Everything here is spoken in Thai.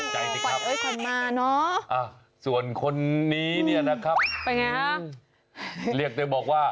ตกใจสิครับส่วนคนนี้เนี่ยนะครับอืมเรียกตัวบอกว่า